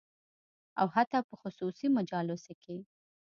او حتی په خصوصي مجالسو کې